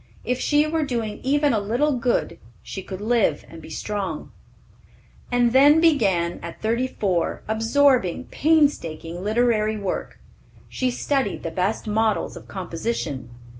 If she were doing even a little good, she could live and be strong. And then began, at thirty four, absorbing, painstaking literary work. She studied the best models of composition.